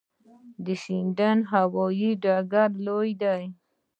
د شینډنډ هوايي ډګر لوی دی